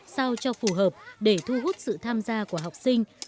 sao cho phù hợp để thu hút sự tham gia của học sinh